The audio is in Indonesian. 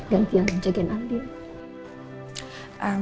ganti aja gen al dia